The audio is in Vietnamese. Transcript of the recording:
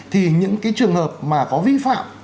thì những cái trường hợp mà có vi phạm